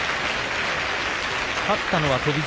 勝ったのは翔猿。